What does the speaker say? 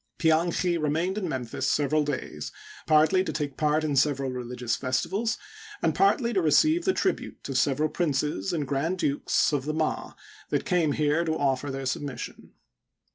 Pianchi remained in Memphis several days, partly to take part in several religious festivals and partly to receive the tribute of several princes and grand dukes of the Ma that came here to offer their submission.